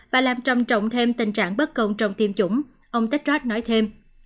và làm trầm trọng thêm tình trạng bất công trong tiêm chủng ông techot nói thêm